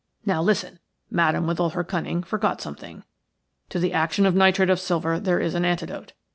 Now, listen! Madame, with all her cunning, forgot something. To the action of nitrate of silver there is an antidote.